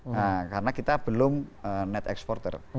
nah karena kita belum net exporter